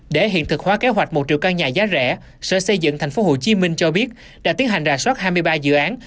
để hiện thực hóa kế hoạch một triệu căn nhà giá rẻ sở xây dựng tp hcm cho biết đã tiến hành rà soát hai mươi ba dự án